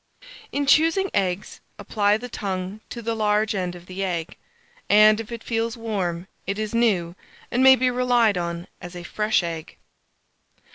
In choosing eggs, apply the tongue to the large end of the egg, and, if it feels warm, it is new, and may be relied on as a fresh egg.